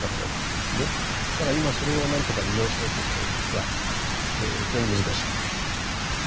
ただ今それを何とか利用しようとしてるんですが非常に難しい。